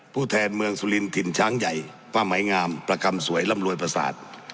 ผู้แทนเมืองสุรินถิ่นช้างใหญ่ผ้าไหมงามประกรรมสวยร่ำรวยประสาท